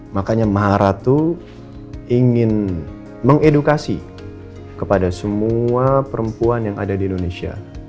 makanya maha ratu ingin mengedukasi kepada semua perempuan yang ada di indonesia